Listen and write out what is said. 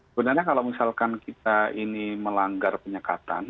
sebenarnya kalau misalkan kita ini melanggar penyekatan